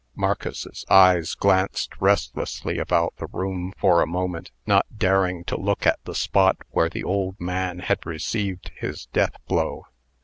Marcus's eyes glanced restlessly about the room for a moment, not daring to look at the spot where the old man had received his death blow.